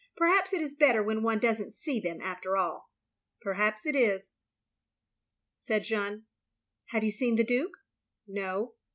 Perhaps it is better when one does n*t see them, after all." " Perhaps it is, " said Jeanne. " Have you seen the Duke? " "No."